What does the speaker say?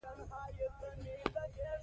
د کعبې مشهور انځور هغه مهال اخیستل شوی و.